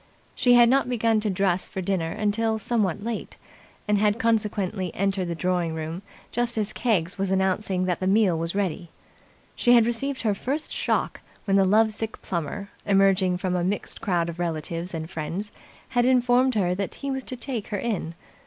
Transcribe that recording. She had not begun to dress for dinner till somewhat late, and had consequently entered the drawing room just as Keggs was announcing that the meal was ready. She had received her first shock when the love sick Plummer, emerging from a mixed crowd of relatives and friends, had informed her that he was to take her in.